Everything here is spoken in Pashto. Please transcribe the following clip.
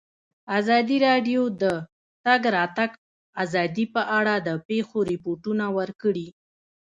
ازادي راډیو د د تګ راتګ ازادي په اړه د پېښو رپوټونه ورکړي.